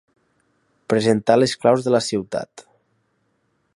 Presentar les claus de la ciutat.